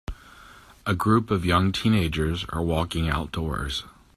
A group of young teenagers are walking outdoors.